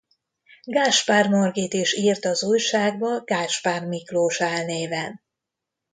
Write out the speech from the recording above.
Gáspár Margit is írt az újságba Gáspár Miklós álnéven.